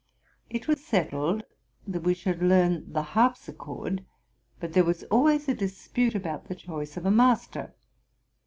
It w was settled that we should learn the harpsichord, but there was always a dispute about the choice of a master.